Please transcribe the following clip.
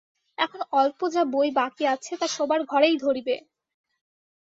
এখন অল্প যা বই বাকি আছে তা শোবার ঘরেই ধরিবে।